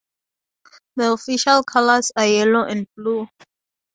The official colours are yellow and blue.